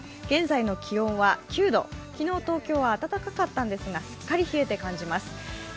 現在の気温は９度、昨日東京は暖かったんですがすっかり冷えて感じます。